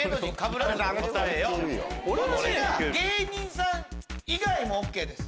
芸人さん以外もＯＫです